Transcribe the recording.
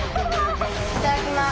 いただきます。